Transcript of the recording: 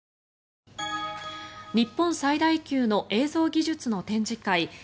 日本最大級の映像技術の展示会